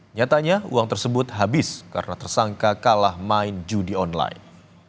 nyatanya uang tersebut habis karena tersangka kalah main judi online